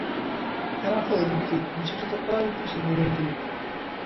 তারা ফল ভিত্তিক বিশেষত কলা ভিত্তিক শিল্প গড়ে তোলে।